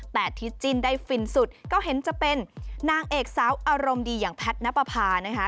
แต่ที่จิ้นได้ฟินสุดก็เห็นจะเป็นนางเอกสาวอารมณ์ดีอย่างแพทย์นับประพานะคะ